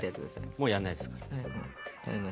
もうやんないですから。